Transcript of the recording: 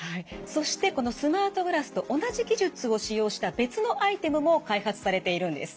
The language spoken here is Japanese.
そしてこのスマートグラスと同じ技術を使用した別のアイテムも開発されているんです。